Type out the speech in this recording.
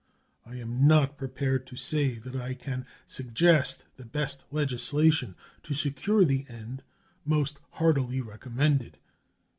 I am not prepared to say that I can suggest the best legislation to secure the end most heartily recommended.